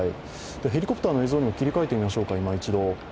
ヘリコプターの映像にも切り替えてみましょうか。